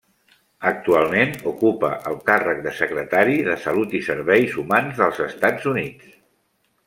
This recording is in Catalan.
Actualment ocupa el càrrec de Secretari de Salut i Serveis Humans dels Estats Units.